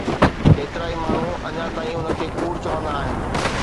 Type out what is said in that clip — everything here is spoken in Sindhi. ڪيترائي ماڻهو اڃا تائين ان کي ڪوڙ چوندا آهن